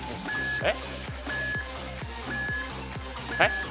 えっ？